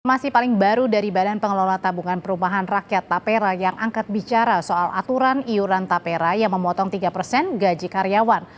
masih paling baru dari badan pengelola tabungan perumahan rakyat tapera yang angkat bicara soal aturan iuran tapera yang memotong tiga persen gaji karyawan